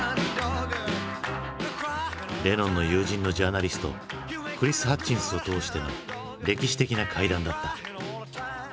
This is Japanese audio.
レノンの友人のジャーナリストクリス・ハッチンスを通しての歴史的な会談だった。